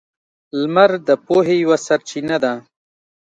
• لمر د پوهې یوه سرچینه ده.